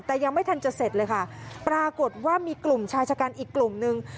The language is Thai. แต่ยังไม่ทันจะเสร็จเลยค่ะปรากฏว่ามีกลุ่มชายชะกันอีกกลุ่มนึง